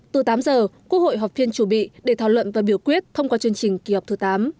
từ tám giờ quốc hội họp phiên chủ bị để thảo luận và biểu quyết thông qua chương trình kỳ họp thứ tám